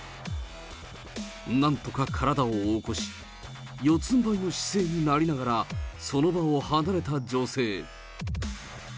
なんとか体を起こし、四つんばいの姿勢になりながら、その場を離れた女性。